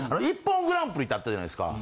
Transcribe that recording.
『ＩＰＰＯＮグランプリ』ってあったじゃないですか。